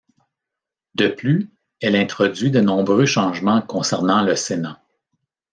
De plus, elle introduit de nombreux changements concernant le Sénat.